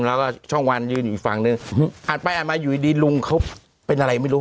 แล้วก็ช่องวันยืนอีกฝั่งนึงอ่านไปอ่านมาอยู่ดีลุงเขาเป็นอะไรไม่รู้